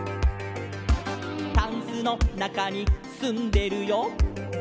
「タンスのなかにすんでるよ」